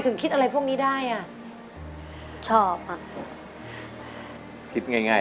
ตั้งใจไว้แบบนี้